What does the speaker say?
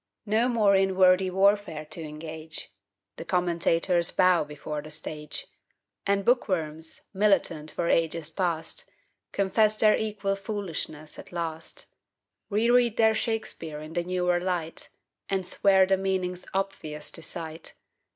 No more in wordy warfare to engage, The commentators bow before the stage, And bookworms, militant for ages past, Confess their equal foolishness at last, Reread their Shakspeare in the newer light And swear the meaning's obvious to sight.